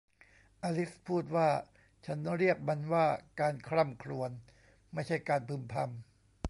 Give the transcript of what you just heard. อลิซพูดว่า ฉันเรียกมันว่า การคร่ำครวญ ไม่ใช่การพึมพำ